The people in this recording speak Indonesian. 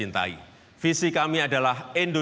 hingga hari ini bisa bertungkas dengan bankinda